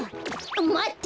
まって！